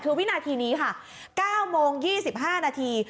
คือวินาทีนี้ค่ะ๙โมง๒๕นาที